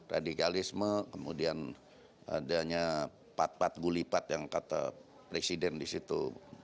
radikalisme kemudian adanya pat pat gulipat yang kata presiden di situ